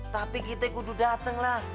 tapi kita harus datang lah